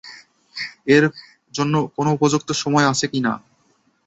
এর জন্য কোনো উপযুক্ত সময় আছে কি না?